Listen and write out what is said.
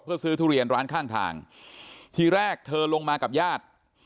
เพื่อซื้อทุเรียนร้านข้างทางทีแรกเธอลงมากับญาติ